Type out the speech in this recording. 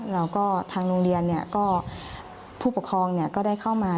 แล้วก็ทางโรงเรียนผู้ปกครองก็ได้เข้ามา